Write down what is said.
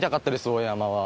大江山は。